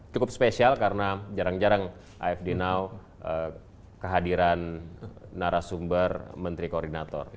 cukup spesial karena jarang jarang afd now kehadiran narasumber menteri koordinator